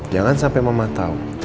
jangan sampai mama tahu